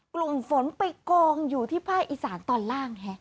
กลุ่มฝนไปกองอยู่ที่ภาคอีสานตอนล่าง